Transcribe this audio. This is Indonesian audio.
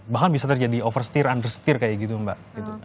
bahkan bisa terjadi over setir under setir kayak gitu mbak